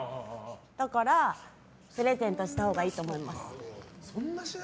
だから、プレゼントしたほうがいいと思います。